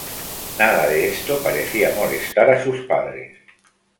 Nada de esto parecía molestar a sus padres.